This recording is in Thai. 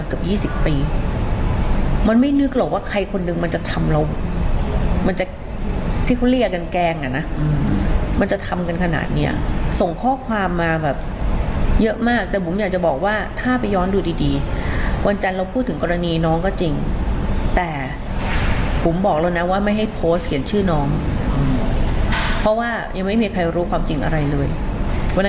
โดยประเมินว่าเรื่องที่เกิดขึ้นมาเนี่ยมีเป็นไปได้สามทางว่าทางแรกเนี่ยอาจจะมีคนปั่น